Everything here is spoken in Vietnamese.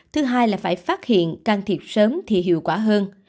thứ hai là phải phát hiện can thiệp sớm thì hiệu quả hơn